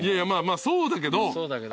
まあまあそうだけど。